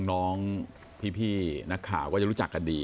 น้องพี่นักข่าวก็จะรู้จักกันดี